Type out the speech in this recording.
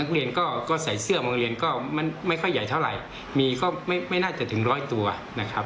มิ้นก็มันไม่ค่อยใหญ่เท่าไหร่มีเขาไม่น่าจะถึงร้อยตัวนะครับ